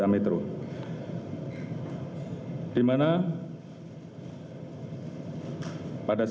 dan aku punya bintang yang sangat tinggi